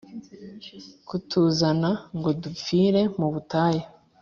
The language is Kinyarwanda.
kutuzana ngo dupfire mu butayu?